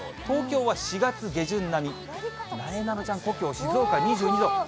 東京は４月下旬並み、なえなのちゃんの故郷、静岡、２２度。